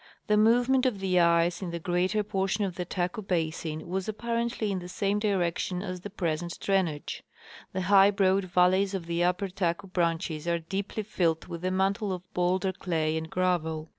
The movement of the ice in the greater por tion of the Taku basin was apparently in the same direction as the present drainage. The high broad valleys of the upper Taku branches are deeply filled with a mantle of bowlder clay and gravel.